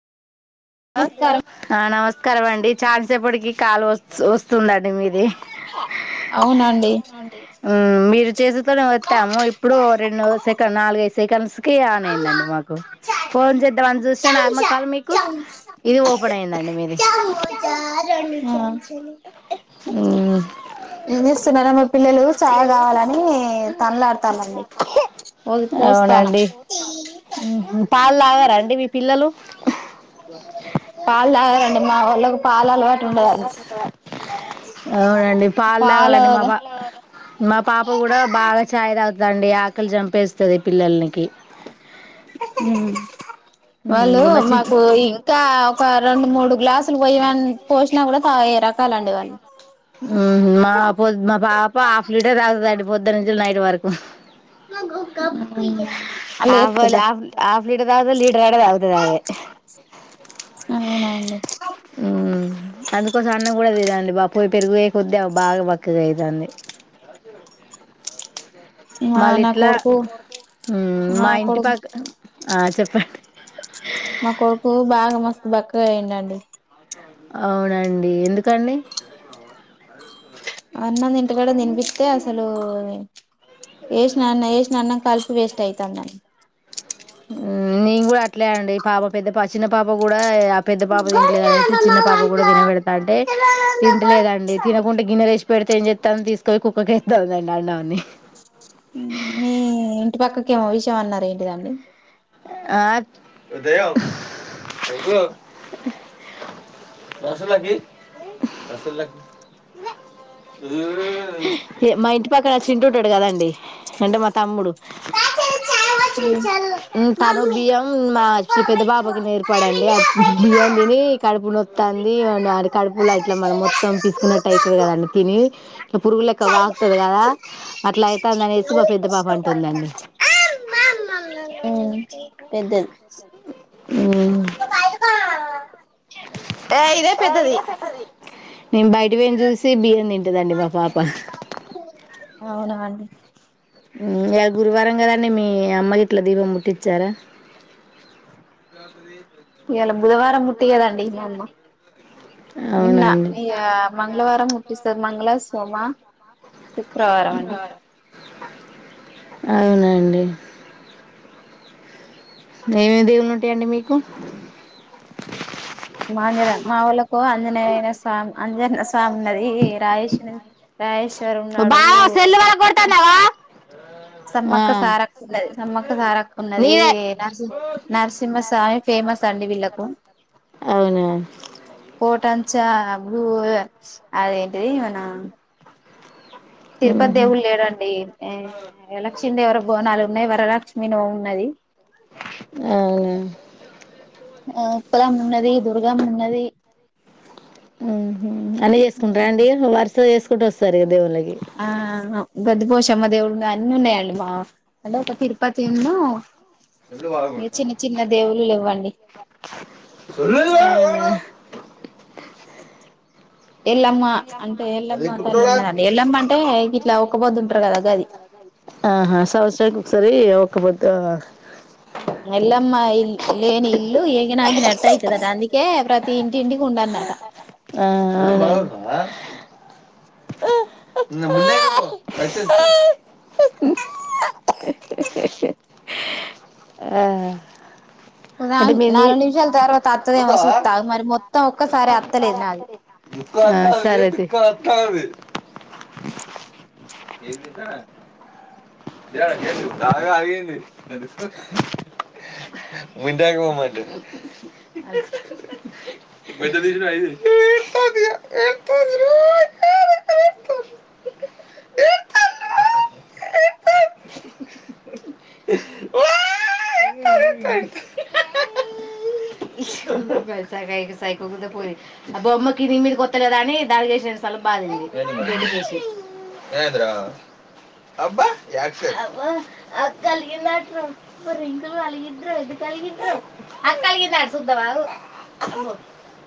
నమస్కారం ఆ నమస్ కరవండి చాల్సేపటికిీ కాల్ వస్ వస్తుందండి మీది అవునండి ఉమ్ మీరు చేసి వత్తాము ఇప్పుడు రెండు సెకండ్ నాలుగైద్ సకండ్స్ క ఆన్ అయిందండి మాకు ఫోన్ చేద్దము అని చూస్తే నార్మల్ కాల్ మీకు ఇది ఓపెన్ అయిందండి మీది ఏం చేస్తున్నారో మా పిల్లలు చాయ్ కావాలని తనలాడతాలండి పోయి పోస్తాను అవునండి పాలు తాగర అండి మీ పిల్లలు పిల్లలు పాలు తగదండి మా వాళ్ళకి పాాల అలవాటు ఉండదండి అవునండి పాలు తాగాలండి మా పా మా పాప కూడా బాగా చాయ్ తాగుత దాండి ఆకలి చంపేస్తుంది పిల్లలకి హ వాళ్ళు మా చి మాకు ఇంకా ఒక రెండు మూడు గ్లాసులు పోయని పోసినా కూడా తాగే రకాలండి వాళ్ళు ఉ మాద్ మా పాప హాఫ్ లీటర్ తాగుతుంది అండి పొద్దున నుంచి నైట్ వరకు [unintelligible] అలా హాఫ్ ఎస్తదా హాఫ్ [unintelligible] [unintelligible] అవునండి అందుకోసం కూడాదిదండి బా పోయి పెరుగు వయే కొద్దీ బాగా బక్కగా అవుతుాంది మా మళ్ళ నా ఇట్లా కొడుకు మా ఇంటి పక్క ఆ చెప్ [unintelligible] మా కొడుకు బాగా మస్తు బక్కగా అయండండి అవునండి ఎందుకండి అన్నం తింటకాడ తినిపిస్తే అసలు వేసిన అన్న వేసిన అన్నం కలిపి వేస్ట్ అవుతాంది అండి నేను కూడా అట్లే అండి పాప పెద్ద చిన్న పాప కూడా పెద్ద పాప తింటలేదు అనేసి చిన్న పాప కూడా తినబెడా అే తినంటలేదండి తినకుంటే గినన్నరేష్ పెడితే ఏం చెస్తానుని తీసుకొని కుక్కకిేస్తావుందండి అ నాని మీ ఇంటి పక్కకేమో విషయం అన్నారుార ఏంటిదండి ఆ ఉద మా ఇంటి పక్కన వ చిింటుంటాడు కదండి అంటే మా తమ్ముడు తను బియ్యం మాచ్చ పెద్ద బాబాకి నేర్పడండి ఆ బియ్యం తిని కడుపు ఉ ంది అ కడుపులా అట్లా మనం మొత్తం పిసుకున్నట్టు అయితుంది కదండి తిని ఇక పురుగులెక్క వాగుతుంది కదా అట్లా అయితుంది అనేసి మా పెద్ద పాప అంటుందండి పెద్దది [unintelligible] ఏయ్ ఇదే పెద్దది నేను బయటపొయింది చూసి బియ్యం తింటదండి మా పాప అవునా అండి ఇ గురువారం కదండడి మీ అమ్మకి ఇట్లా దీపం పుట్టించారా ఇయాలా బుధవారం ముట్టి కదా అండి ఇమ్మ నిన్న అవునండి మంగళవారం ముట్టి స్తాది మంగళ సోమా శుక్రవారం అండి అవునండి ఏమెమి దిగులు ఉంటాయిండి మీకు ఆ ని మా వాళ్లకు ఆంజనేయన స్వామి అంజన స్వామి ఉన్నది రాయేశ రాయేశ్వరి ఉన్నాడు బావ సెల్లు పగల కొడతాన్నావా ఆ సమ్మక్క సారక్క ఉన్నది సమ్మక్క సారక్క ఉన్నది నీదే నర్సిం నరసింహస్వామి ఫేమస్ అండి వీళ్ళకు అవునా కోట అంచా అప్పుడు అదేంటిది ఇవనా తిరుపతి ఉహు దేవులు లేడండి లక్ష్మీదేవర బోనాలు ఉన్నాయి ప్రలక్ష్మి నోము ఉన్నది అవున ఆ ఉప్పుగా ఉన్నది ముదుర్గా ఉన్నది అన్ని చేసుకుంటార అండి వారి చేసుకుంటూ వస్తారు ఇ కదేవుళ్ళకి ఆ బద్పోోష చమదడు అన్ని ఉన్నాయి అండి మా తిరుపతిను ఇ చిన్న చిన్న దేవుళ్ళు లేవ్వండి ఎల్లమ్మ అంటే ఎల్లమ్మ తల్లి ఉన్నదండి ఎల్లమ్మ అంటే ఇట్లా ఒక్క పొద్దుంటారు కదా గది ఆహ్ సంవత్సరానికీ ఒక్కసారి ఒక పొద్ధా ఎల్లమ్మ ఇల్ లేని ఇల్లు ఏకనా ఆకి ఎట్టయిథది అందుకే ప్రతి ఇంటింటికి ఉంటందిఅట ఆ ఆ అంటే మీ నీ నాలుగు నిమిషాల తర్వాత అత్తదేమో ఆ సూత్త మరి మొత్తం ఒక్కసారి అత్తలేదు నాది అవునా సరే అయితే తాగా ఆగంది మంటాకపోమాంట సాస పో అ బొమ్మకి దీ మీద కొత్తలేదా అని దాడి చేసిన స్థలం బాధందిబ్బ అక్కఅలిగింది అంట్రో [unintelligible] నాట ఇంగ్ అలిగ్ర ఇది క అలిగ్ర అక్కలిగి నాట్ సద్దవా